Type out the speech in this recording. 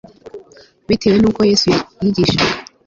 bitewe n'uko yesu yigishaga